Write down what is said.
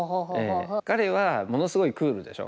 彼はものすごいクールでしょ。